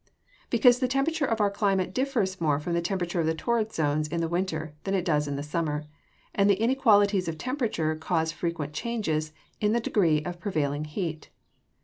_ Because the temperature of our climate differs more from the temperature of the torrid zones in the winter than it does in the summer, and the inequalities of temperature cause frequent changes in the degree of prevailing heat.